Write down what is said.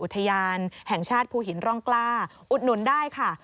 อุทยานแห่งชาติภูหินร่องกล้าอุดหนุนได้ค่ะ